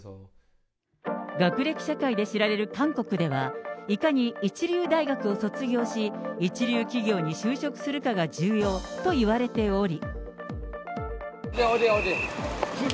学歴社会で知られる韓国では、いかに一流大学を卒業し、一流企業に就職するかが重要といわれており。